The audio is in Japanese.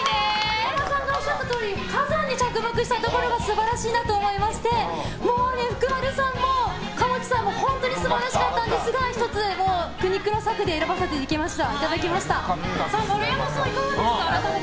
丸山さんがおっしゃったとおり火山に着目したのが素晴らしいなと思いまして福丸さんも蒲生地さんも本当に素晴らしかったんですが苦肉の策で選ばさせていただきました。